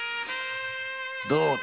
どうだ。